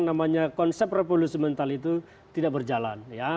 namanya konsep revolusi mental itu tidak berjalan